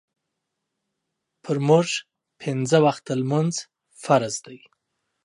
پۀ مونږ پينځۀ وخته مونځ فرض دے